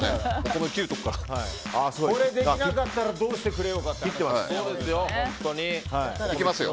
これ、できなかったらどうしてくれようかいきますよ。